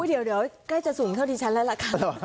เดี๋ยวใกล้จะสูงเท่าที่ฉันแล้วล่ะค่ะ